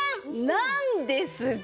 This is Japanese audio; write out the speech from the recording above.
なんですが？